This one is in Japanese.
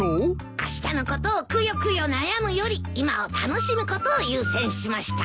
あしたのことをくよくよ悩むより今を楽しむことを優先しました。